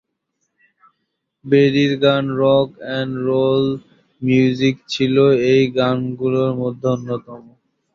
বেরির গান "rock and roll music" ছিল এই গানগুলোর মধ্যে অন্যতম।